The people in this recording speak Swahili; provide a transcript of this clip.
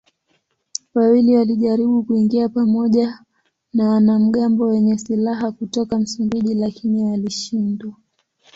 Wawili walijaribu kuingia pamoja na wanamgambo wenye silaha kutoka Msumbiji lakini walishindwa.